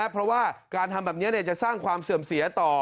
เพราะว่าการทำแบบนี้จะสร้างความเสื่อมเสียต่อ